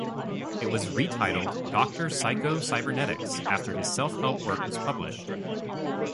It was re-titled "Doctor Psycho-Cybernetics" after his self-help work was published.